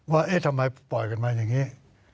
ว่าเอ๊ะทำไมปล่อยกันมาอย่างนี้